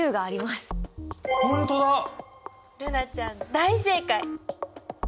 大正解！